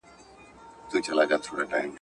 حلاله روزي په لږ کې هم ډېره ده.